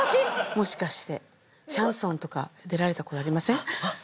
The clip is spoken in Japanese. もしかしてシャンソンとか出られた事ありません？